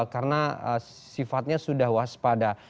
karena sifatnya sudah waspada